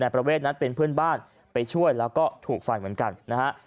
ประเวทนั้นเป็นเพื่อนบ้านไปช่วยแล้วก็ถูกไฟเหมือนกันนะฮะ